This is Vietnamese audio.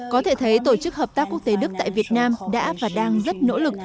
có thể thấy tổ chức hợp tác quốc tế đức tại việt nam đã và đang rất nỗ lực